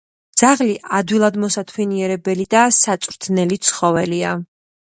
ძაღლი ადვილად მოსათვინიერებელი და საწვრთნელი ცხოველია.